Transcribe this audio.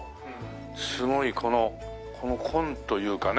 すごいこのこの紺というかね